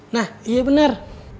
nah iya bener